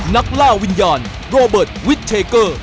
นักล่าวิญญาณโรเบิร์ตวิทเทเกอร์